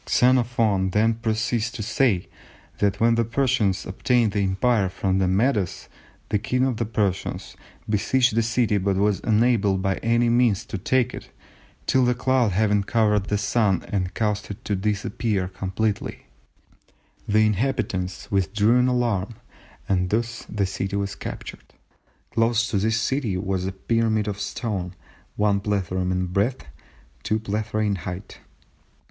Xenophon then proceeds to say that "when the Persians obtained the Empire from the Medes, the King of the Persians besieged the city but was unable by any means to take it till a cloud having covered the Sun and caused it to disappear completely, the inhabitants withdrew in alarm, and thus the city was captured. Close to this city was a pyramid of stone, one plethrum in breadth, two plethra in height....